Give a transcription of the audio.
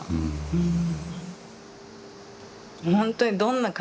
うん。